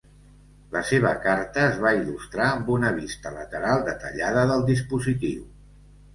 La seva carta es va il·lustrar amb una vista lateral detallada del dispositiu.